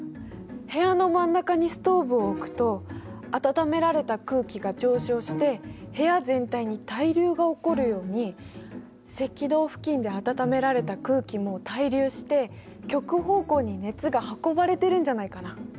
部屋の真ん中にストーブを置くと暖められた空気が上昇して部屋全体に対流が起こるように赤道付近で暖められた空気も対流して極方向に熱が運ばれてるんじゃないかな？